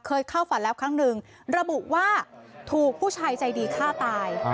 เข้าฝันแล้วครั้งหนึ่งระบุว่าถูกผู้ชายใจดีฆ่าตาย